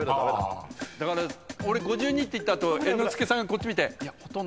だから俺５２って言った後猿之助さんがこっち見て。